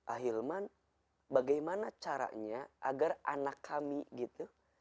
ahilman bagaimana caranya agar anak kami gitu